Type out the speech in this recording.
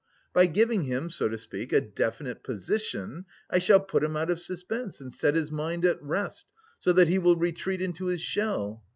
By giving him, so to speak, a definite position, I shall put him out of suspense and set his mind at rest, so that he will retreat into his shell.